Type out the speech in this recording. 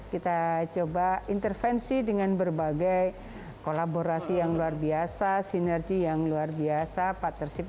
kita coba intervensi dengan berbagai kolaborasi yang luar biasa sinergi yang luar biasa partnership